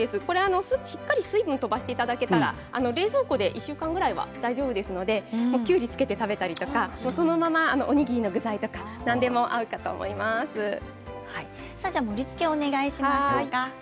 しっかり水分を飛ばしていただけたら、冷蔵庫で１週間ぐらいは大丈夫ですのできゅうりにつけて食べたりとかそのままおにぎりの具材とか盛りつけをお願いします。